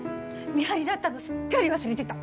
見張りだったのすっかり忘れてた。